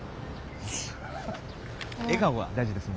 笑顔は大事ですもんね。